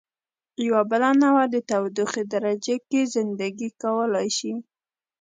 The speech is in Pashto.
یوه بله نوعه د تودوخې درجې کې زنده ګي کولای شي.